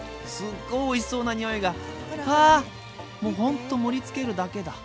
もうほんと盛りつけるだけだ。